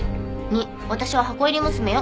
「２私は箱入り娘よ。